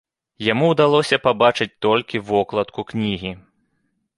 Яму ўдалося пабачыць толькі вокладку кнігі.